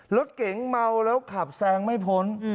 รถเก๋งเมาแล้วขับแซงไม่พ้น